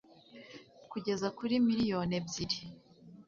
kugeza kuri miliyoni ebyiri